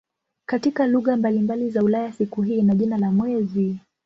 Katika lugha mbalimbali za Ulaya siku hii ina jina la "mwezi".